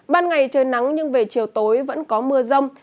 ban ngày trời nắng nhưng về chiều tối vẫn có mưa rông